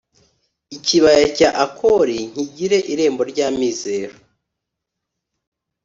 ikibaya cya Akori nkigire irembo ry’amizero.